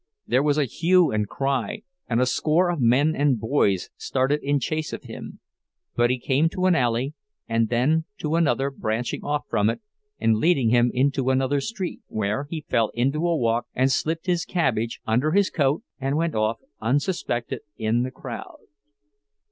There was a hue and cry, and a score of men and boys started in chase of him; but he came to an alley, and then to another branching off from it and leading him into another street, where he fell into a walk, and slipped his cabbage under his coat and went off unsuspected in the crowd.